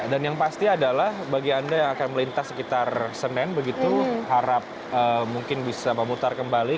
dan yang pasti adalah bagi anda yang akan melintas sekitar senen begitu harap mungkin bisa memutar kembali